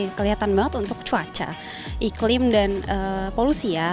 yang kelihatan banget untuk cuaca iklim dan polusi ya